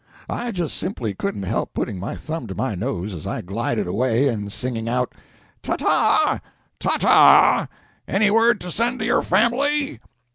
I just simply couldn't help putting my thumb to my nose as I glided away and singing out: "Ta ta! ta ta! Any word to send to your family?"